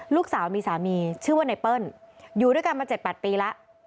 ลูกสาวมีสามีชื่อว่าไนเปิ้ลอยู่ด้วยกันมา๗๘ปีแล้ว